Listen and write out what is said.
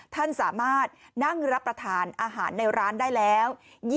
ท่านสามารถนั่งรับประทานอาหารในร้านได้แล้ว